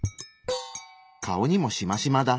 顔にもしましまだ。